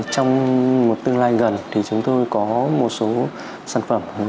trong một tương lai gần thì chúng tôi có một số sản phẩm